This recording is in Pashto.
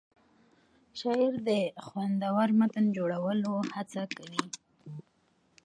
شاعر د خوندور متن جوړولو هڅه کوي.